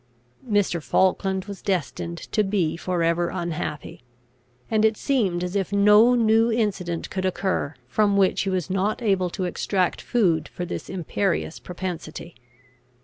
Mr. Falkland was destined to be for ever unhappy; and it seemed as if no new incident could occur, from which he was not able to extract food for this imperious propensity.